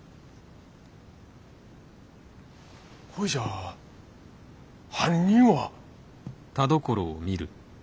ほいじゃ犯人は。